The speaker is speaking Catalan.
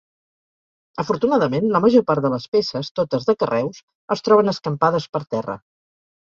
Afortunadament, la major part de les peces, totes de carreus, es troben escampades per terra.